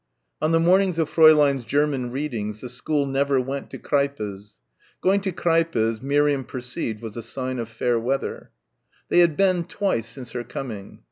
On the mornings of Fräulein's German readings the school never went to Kreipe's. Going to Kreipe's Miriam perceived was a sign of fair weather. They had been twice since her coming.